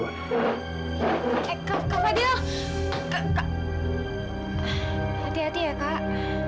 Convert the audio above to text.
kak fadil hati hati ya kak